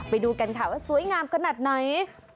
ไปดูกันค่ะว่าสวยงามขนาดไหน